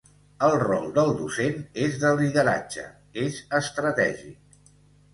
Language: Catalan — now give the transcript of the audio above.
El rol del docent és de lideratge, és estratègic.